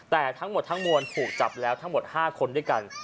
แต่ทั้งหมดทั้งมวลถูกจับแล้วทั้งหมด๕คนด้วยกัน